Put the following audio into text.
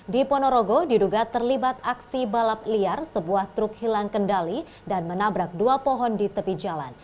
di ponorogo diduga terlibat aksi balap liar sebuah truk hilang kendali dan menabrak dua pohon di tepi jalan